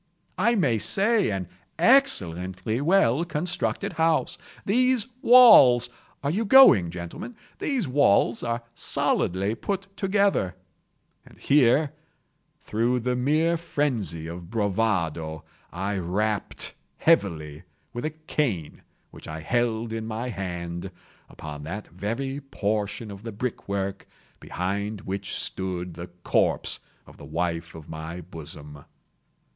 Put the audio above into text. —"I may say an excellently well constructed house. These walls—are you going, gentlemen?—these walls are solidly put together;" and here, through the mere phrenzy of bravado, I rapped heavily, with a cane which I held in my hand, upon that very portion of the brick work behind which stood the corpse of the wife of my bosom.